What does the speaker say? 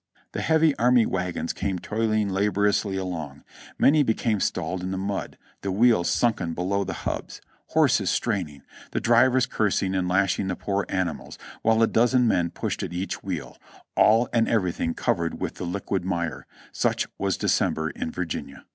The heavy army wagons came toiling laboriously along; many became stalled in the mud, the wheels sunken below the hubs, horses straining, the drivers cursing and lashing the poor animals, while a dozen men pushed at each wheel, all and everything covered with the liquid mire; such was December in Virginia.